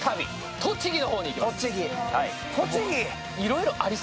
栃木の方に行きます。